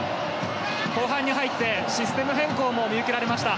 後半に入ってシステム変更も見受けられました。